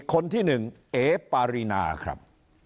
คนที่๑เย๊ปาลีนาครับ